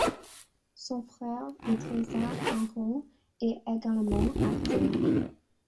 Son frère Idrissa Hanrot est également acteur.